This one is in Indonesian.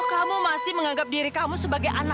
gue balik duluan ya